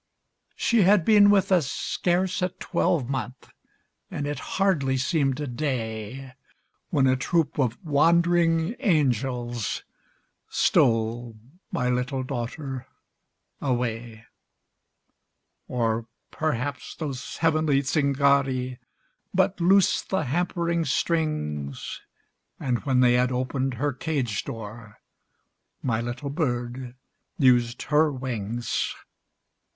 She had been with us scarce a twelvemonth, And it hardly seemed a day, When a troop of wandering angels Stole my little daughter away; Or perhaps those heavenly Zingari But loosed the hampering strings, And when they had opened her cage door My little bird used her wings.